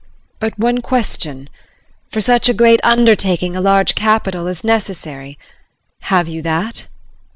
But one question. For such a great undertaking a large capital is necessary, have you that?